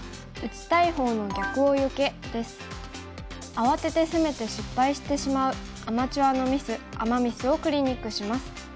慌てて攻めて失敗してしまうアマチュアのミスアマ・ミスをクリニックします。